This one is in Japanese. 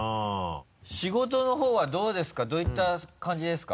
仕事の方はどうですか？